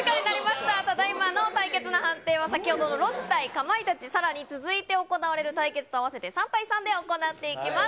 ただいまの対決の判定は、先ほどのロッチ対かまいたち、さらに続いて行われる対決と合わせて、３対３で行っていきます。